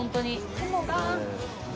雲が。